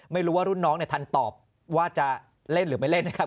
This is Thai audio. ไม่รู้ว่ารุ่นน้องทันตอบว่าจะเล่นหรือไม่เล่นนะครับ